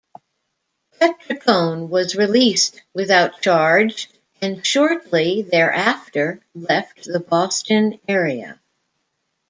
Petricone was released without charge, and shortly thereafter left the Boston area.